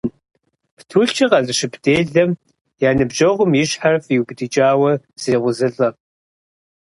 Птулъкӏэ къэзыщып делэм я ныбжьэгъум и щхьэр фӏиубыдыкӏауэ зрекъузылӏэ.